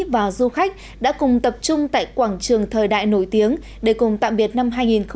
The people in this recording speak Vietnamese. và du khách đã cùng tập trung tại quảng trường thời đại nổi tiếng để cùng tạm biệt năm hai nghìn hai mươi